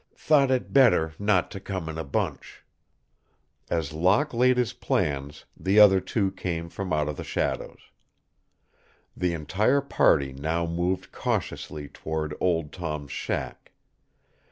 "Thought it better not to come in a bunch." As Locke laid his plans, the other two came from out of the shadows. The entire party now moved cautiously toward Old Tom's shack.